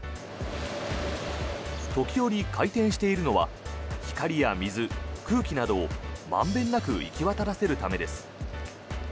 時折回転しているのは光や水、空気などを満遍なく行き渡らせるためです。